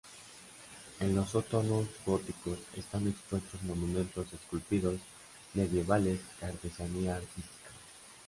En los sótanos góticos están expuestos monumentos esculpidos medievales y artesanía artística.